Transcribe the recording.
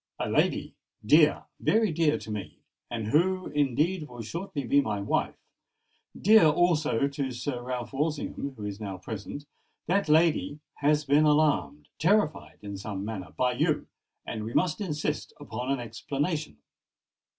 A lady—dear, very dear to me, and who indeed will shortly be my wife,—dear also to Sir Ralph Walsingham, who is now present,—that lady has been alarmed—terrified in some manner, by you; and we must insist upon an explanation."